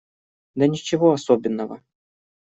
Да ничего особенного.